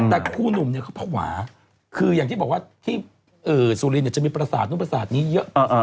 แต่ผู้หนุ่มเนี้ยเขาผวาคืออย่างที่บอกว่าที่เอ่อสุรินทร์เนี้ยจะมีปราศาสตร์นู่นปราศาสตร์นี้เยอะ